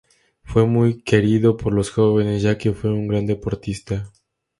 Fue muy querido por los jóvenes, ya que fue un gran deportista.